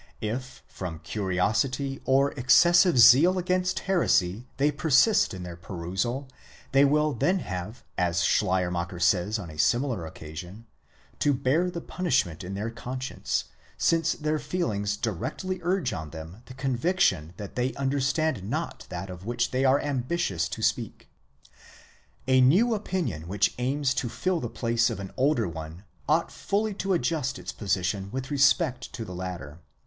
If from curiosity or excessive zeal against heresy they persist in their perusal, they will then have, as Schleiermacher says on a similar occasion, to bear the punishment in their conscience, since their feelings directly urge on them the conviction that they understand not that of which they are ambitious to speak. A new opinion, which aims to fill the place of an older one, ought fully to adjust its position with respect to the latter.